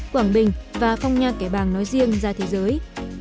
quảng bình và phong nha kẻ bàng nói riêng ra thế giới